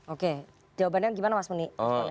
oke jawabannya gimana mas muni